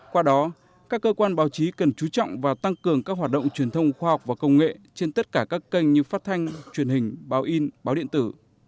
qua đó các cơ quan báo chí cần chú trọng và tăng cường các hoạt động truyền thông khoa học và công nghệ trên tất cả các kênh như phát thanh truyền hình báo in báo điện tử